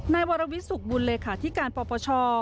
นายบริวิศุกร์บูรณ์เลยค่ะที่การป่าวประชอ